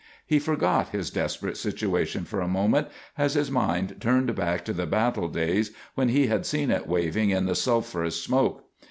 He forgot his desperate situation for a moment, as his mind turned back to the battle days when he had seen it waving in the sulphurous smoke.